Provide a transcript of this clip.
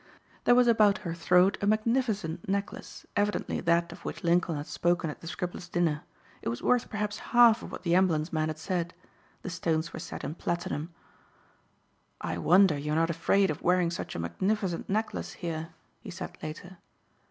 There was about her throat a magnificent necklace, evidently that of which Lincoln had spoken at the Scribblers' dinner. It was worth perhaps half of what the ambulance man had said. The stones were set in platinum. "I wonder you are not afraid of wearing such a magnificent necklace here," he said later.